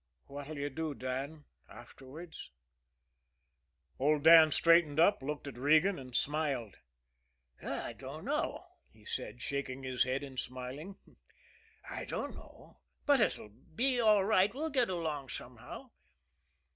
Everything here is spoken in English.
"What'll you do, Dan afterwards?" Old Dan straightened up, looked at Regan and smiled. "I dunno," he said, shaking his head and smiling. "I dunno; but it'll be all right. We'll get along somehow."